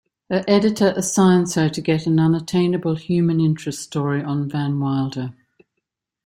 Her editor assigns her to get an "unattainable" human interest story on Van Wilder.